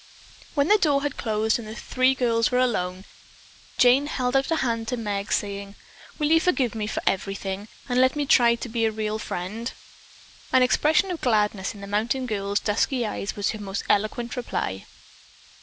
When the door had closed and the three girls were alone, Jane held out a hand to Meg, saying: "Will you forgive me for everything, and let me try to be a real friend?" An expression of gladness in the mountain girl's dusky eyes was her most eloquent reply.